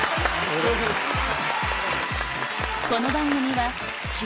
よろしくお願いします。